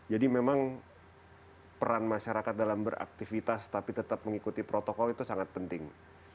jadi memang peran masyarakat dalam beraktivitas tapi tetap mengikuti protokol itu sangat penting